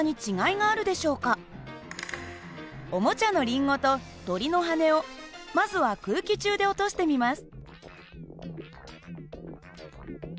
おもちゃのリンゴと鳥の羽根をまずは空気中で落としてみます。